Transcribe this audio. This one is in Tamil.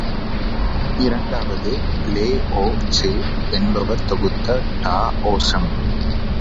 இரண்டாவது, லே ஓ ட்சே என்பவர் தொகுத்த டா ஓஸம்!